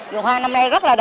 đường hoa năm nay rất là đẹp